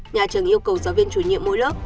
nhà trường yêu cầu giáo viên chủ nhiệm mỗi lớp